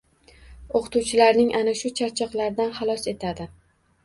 O‘qituvchilarning ana shu charchoqlardan xalos etadi.